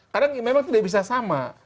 karena memang tidak bisa sama